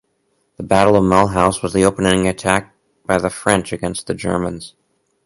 The Battle of Mulhouse was the opening attack by the French against the Germans.